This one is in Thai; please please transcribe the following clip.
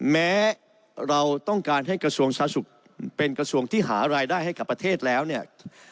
แม้เราต้องการให้กระทรวงสาธารสุขเป็นกระทรวงที่หารายได้ให้กับประเทศแล้วเนี่ย